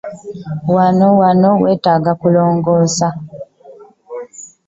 Wano wona wetaaga kulongosa.